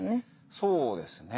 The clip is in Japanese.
そうですね